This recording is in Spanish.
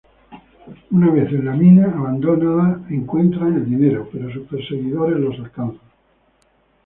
Una vez en la mina abandonada encuentran el dinero, pero sus perseguidores los alcanzan.